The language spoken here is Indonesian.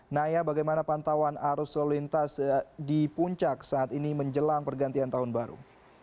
naya bagaimana pantauan arus lalu lintas di puncak saat ini menjelang pergantian tahun baru